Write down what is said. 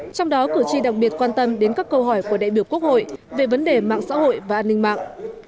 trong đó cử tri đặc biệt quan tâm đến các câu hỏi của đại biểu quốc hội về vấn đề mạng xã hội và an ninh mạng